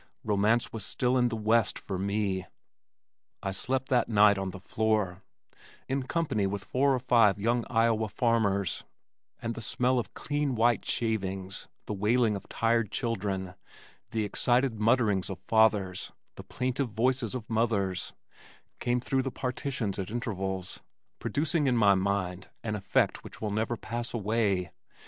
Romance was still in the West for me. I slept that night on the floor in company with four or five young Iowa farmers, and the smell of clean white shavings, the wailing of tired children, the excited muttering of fathers, the plaintive voices of mothers, came through the partitions at intervals, producing in my mind an effect which will never pass away.